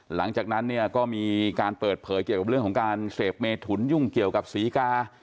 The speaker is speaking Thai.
หลังจากนั้นเนี่ยก็มีการเปิดเผยเกี่ยวกับเรื่องของการเสพเมถุนยุ่งเกี่ยวกับศรีกา